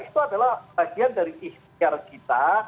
itu adalah bagian dari ikhtiar kita